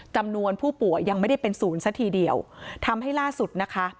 จำนวนผู้ป่วยยังไม่ได้เป็นศูนย์ซะทีเดียวทำให้ล่าสุดนะคะ